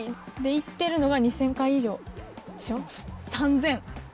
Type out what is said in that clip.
行ってるのが２０００回以上でしょ？